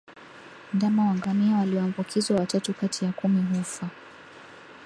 Ndama wa ngamia walioambukizwa watatu kati ya kumi hufa